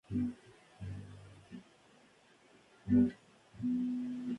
La población ha ido disminuyendo en los últimos años.